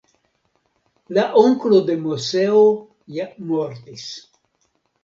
La onklo de Moseo ja mortis.